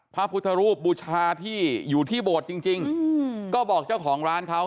พระพุทธรูปบูชาที่อยู่ที่โบสถ์จริงก็บอกเจ้าของร้านเขา